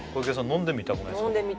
飲んでみたくないですか？